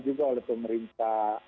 juga oleh pemerintah